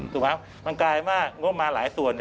ถูกไหมครับมันกลายมาง่วงมาหลายส่วน